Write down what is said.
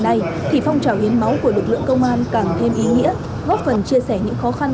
hôm nay thì phong trào hiến máu của lực lượng công an càng thêm ý nghĩa góp phần chia sẻ những khó khăn